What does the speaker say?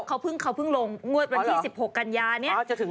เขาเพิ่งลงงวดวันที่๑๖กันยาเนี่ย